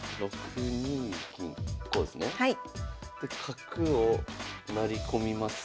で角を成り込みます。